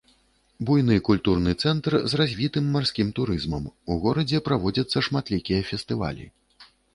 Буйны культурны цэнтр з развітым марскім турызмам, у горадзе праводзяцца шматлікія фестывалі.